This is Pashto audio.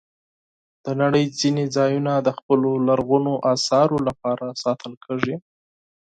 د نړۍ ځینې ځایونه د خپلو لرغونو آثارو لپاره ساتل کېږي.